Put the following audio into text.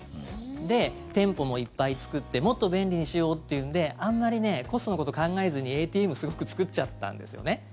で、店舗もいっぱい作ってもっと便利にしようというのであんまりコストのこと考えずにＡＴＭすごく作っちゃったんですよね。